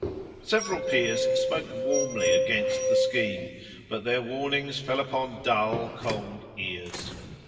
Several peers spoke warmly against the scheme; but their warnings fell upon dull, cold ears.